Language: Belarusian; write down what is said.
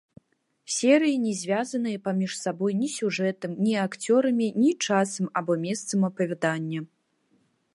Серыі не звязаныя паміж сабой ні сюжэтам, ні акцёрамі, ні часам або месцам апавядання.